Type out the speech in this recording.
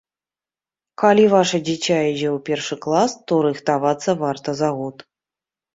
Калі ваша дзіця ідзе ў першы клас, то рыхтавацца варта за год.